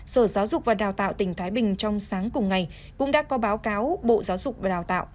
sở giáo dục và đào tạo tỉnh thái bình trong sáng cùng ngày cũng đã có báo cáo bộ giáo dục và đào tạo